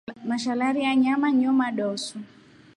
Mashalari ya nyama nyomadoodu.